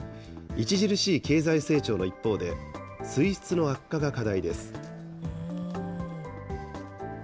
著しい経済成長の一方で、水質の悪化が課題です。